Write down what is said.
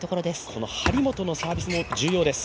この張本のサービスも重要です。